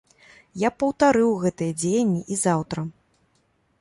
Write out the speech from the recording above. Я б паўтарыў гэтыя дзеянні і заўтра.